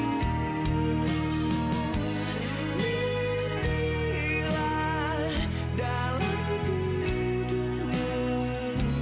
dinilah dalam tidurmu